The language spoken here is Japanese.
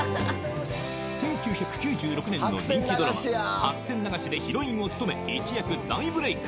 １９９６年の人気ドラマ「白線流し」でヒロインを務め一躍大ブレイク